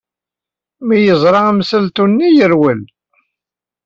Mi yeẓra amsaltu-nni, yerwel.